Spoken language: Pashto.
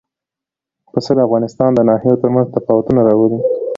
پسه د افغانستان د ناحیو ترمنځ تفاوتونه راولي.